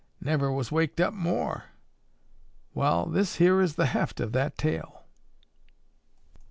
Never was waked up more! Wall, this here is the heft of that tale."